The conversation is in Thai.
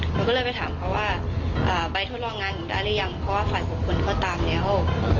หนูก็เลยไปถามเขาว่าไปทดลองงานหนูได้หรือยังเพราะว่าฝ่ายบุคคลเขาตามแล้ว